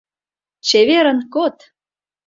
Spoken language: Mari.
Чеверын код!